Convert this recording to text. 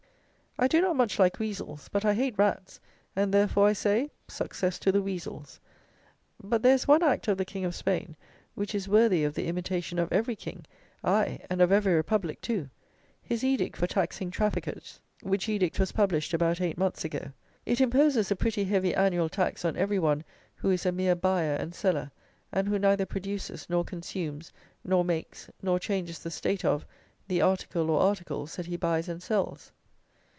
I do not much like weasels; but I hate rats; and therefore I say success to the weasels. But there is one act of the King of Spain which is worthy of the imitation of every King, aye, and of every republic too; his edict for taxing traffickers, which edict was published about eight months ago. It imposes a pretty heavy annual tax on every one who is a mere buyer and seller, and who neither produces nor consumes, nor makes, nor changes the state of, the article, or articles, that he buys and sells.